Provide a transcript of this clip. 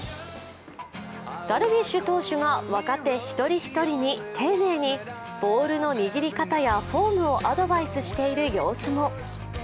ダルビッシュ投手が若手一人一人に丁寧にボールの握り方やフォームをアドバイスしている様子も。